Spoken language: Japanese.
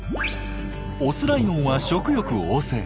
オスライオンは食欲旺盛。